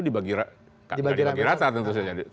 dibagi rata tentunya dibagi rata